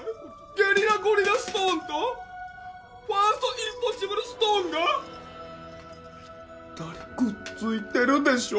ゲリラゴリラストーンとファーストインポッシブルストーンがぴったりくっついてるでしょ。